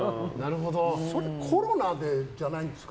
コロナでじゃないんですか？